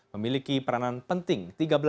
memiliki peranan penting